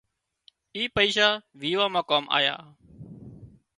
اي پئيشا ويوان مان ڪام آيا